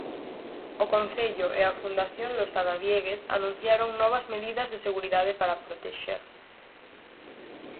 O Concello e a Fundación Losada Diéguez anunciaron novas medidas de seguridade para a protexer.